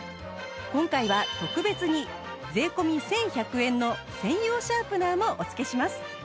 今回は特別に税込１１００円の専用シャープナーもお付けします